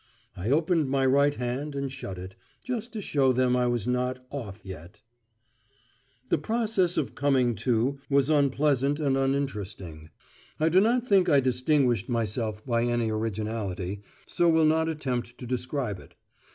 I opened my right hand and shut it, just to show them I was not "off" yet ...The process of "coming to" was unpleasant and uninteresting. I do not think I distinguished myself by any originality, so will not attempt to describe it.